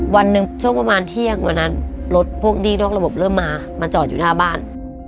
วันหนึ่งช่วงประมาณเที่ยงกว่านั้นรถพวกหนี้นอกระบบเริ่มมามาจอดอยู่หน้าบ้าน